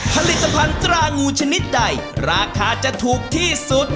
ผลิตภัณฑ์ตรางูชนิดใดราคาจะถูกที่สุด